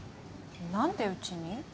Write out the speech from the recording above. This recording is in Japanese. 何でうちに？